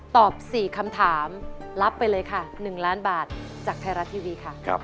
ตอบ๔คำถามรับไปเลยค่ะ๑ล้านบาทจากไทยรัฐทีวีค่ะ